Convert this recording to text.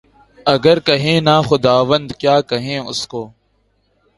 اگر کہیں نہ خداوند، کیا کہیں اُس کو؟